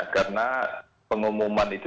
karena pengumuman itu